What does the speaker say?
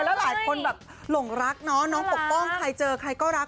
แล้วหลายคนแบบหลงรักเนาะน้องปกป้องใครเจอใครก็รัก